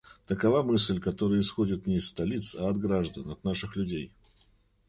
Такова мысль, которая исходит не из столиц, а от граждан, от наших людей.